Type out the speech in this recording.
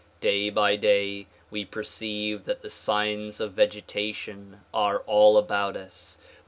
Day by day we perceive that the signs of vegetation are all about us.